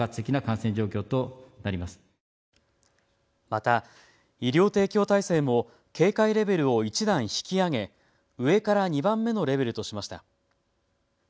また医療提供体制も警戒レベルを１段引き上げ上から２番目のレベルとしました。